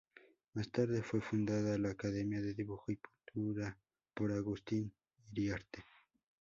Más tarde fue fundada la academia de dibujo y pintura por Agustín Iriarte.